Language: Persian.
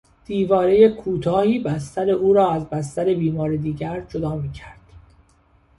دیوارهی کوتاهی بستر او را از بستر بیمار دیگر جدا میکرد.